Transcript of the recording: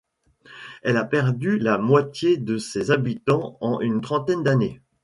Elle a perdu la moitié de ses habitants en une trentaine d'années.